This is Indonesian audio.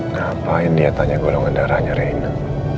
ngapain dia tanya golongan darahnya reina